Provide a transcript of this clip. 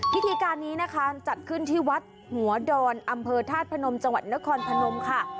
พิธีการนี้นะคะจัดขึ้นที่วัดหัวดอนอำเภอธาตุพนมจังหวัดนครพนมค่ะ